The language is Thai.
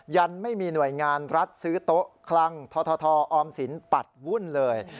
ยังไม่มีหน่วยงานรัฐซื้อโต๊ะคลังททออมสินปัดวุ่นเลย